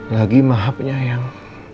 lagi maha penyayang